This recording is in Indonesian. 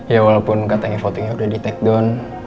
ya walaupun katanya fotonya udah di take down